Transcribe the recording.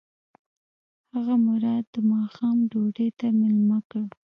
هغه مراد د ماښام ډوډۍ ته مېلمه کړ.